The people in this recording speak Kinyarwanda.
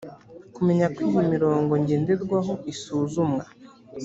kumenya ko iyi mirongo ngenderwaho isuzumwa